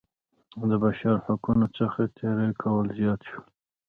د بشر د حقونو څخه تېری کول زیات شول.